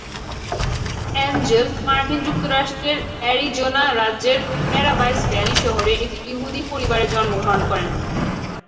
Angel, মার্কিন যুক্তরাষ্ট্রের Arizona রাজ্যের প্যারাডাইস ভ্যালি শহরে একটি ইহুদি পরিবারে জন্মগ্রহণ করেন।